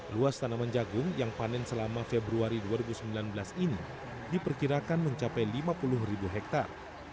luas tanaman jagung yang panen selama februari dua ribu sembilan belas ini diperkirakan mencapai lima puluh ribu hektare